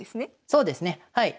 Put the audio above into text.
そうですねはい。